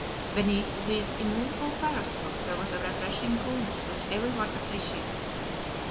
Beneath these immovable parasols there was a refreshing coolness which every one appreciated.